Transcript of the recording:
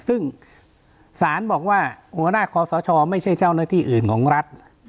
ซึ่งศาลบอกว่าหัวหน้าคอสชไม่ใช่เจ้าหน้าที่อื่นของรัฐ